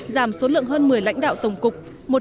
giảm số lượng hơn một mươi lãnh đạo tổng cục